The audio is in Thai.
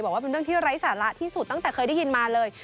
บอกว่าเป็นเรื่องที่ไร้สาระที่สุดตั้งแต่เคยได้ยินมาเลย